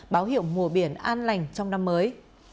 báo hiệu mùa biển an lành trong năm mới